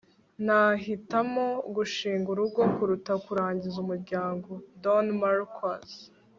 nahitamo gushinga urugo kuruta kurangiza umuryango. - don marquis